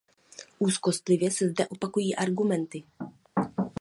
Úzkostlivě se zde opakují argumenty.